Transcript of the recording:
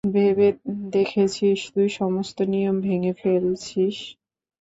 ভেবে দেখেছিস তুই সমস্ত নিয়ম ভেঙে ফেলছিস?